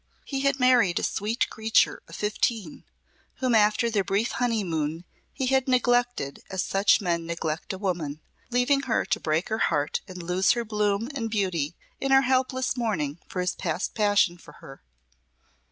He had married a sweet creature of fifteen, whom after their brief honeymoon he had neglected as such men neglect a woman, leaving her to break her heart and lose her bloom and beauty in her helpless mourning for his past passion for her.